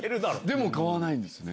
でも買わないんですね。